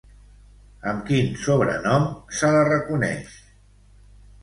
Amb quin sobrenom se la reconeix?